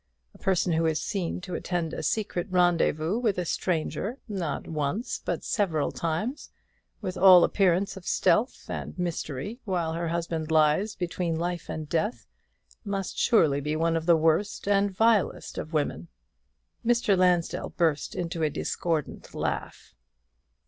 A person who is seen to attend a secret rendezvous with a stranger, not once, but several times, with all appearance of stealth and mystery, while her husband lies between life and death, must surely be one of the worst and vilest of women." Mr. Lansdell burst into a discordant laugh.